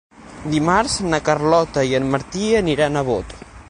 Dimarts na Carlota i en Martí aniran a Bot.